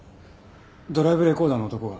ドライブレコーダーの男が。